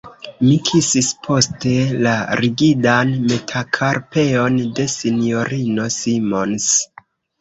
Mi kisis poste la rigidan metakarpeon de S-ino Simons.